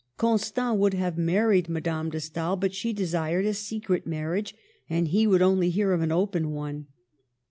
Constant would have married Madame de Stael, but she desired a secret marriage, and he would only hear of an open one.